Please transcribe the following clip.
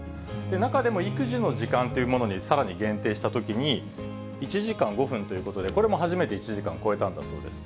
中でも育児の時間というものにさらに限定したときに、１時間５分ということで、これも初めて１時間を超えたんだそうです。